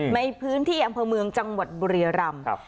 ในพื้นที่อำเภอเมืองจังหวัดบุรียรำ